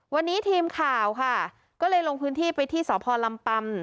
วันนี้ทีมข่าวค่ะก็เลยลงพื้นที่ไปที่สพลำปำ